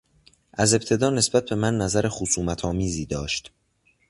از ابتدا نسبت به من نظر خصومتآمیزی داشت.